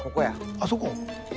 あそこ。